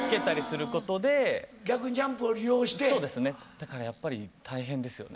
だからやっぱり大変ですよね。